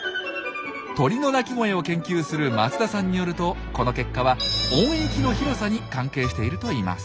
鳥の鳴き声を研究する松田さんによるとこの結果は「音域の広さ」に関係しているといいます。